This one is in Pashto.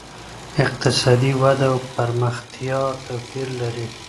اقتصادي وده او پرمختيا توپير لري.